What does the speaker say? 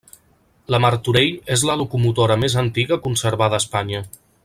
La Martorell és la locomotora més antiga conservada a Espanya.